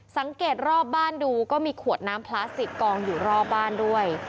สังเกตรอบบ้านดูก็มีขวดน้ำพลาสติกกองอยู่รอบบ้านด้วย